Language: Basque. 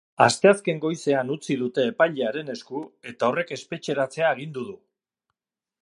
Asteazken goizean utzi dute epailearen esku, eta horrek espetxeratzea agindu du.